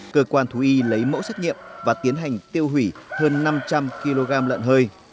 cơ quan thú y lấy mẫu xét nghiệm và tiến hành tiêu hủy hơn năm trăm linh kg lợn hơi